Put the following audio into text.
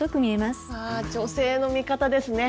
女性の味方ですね。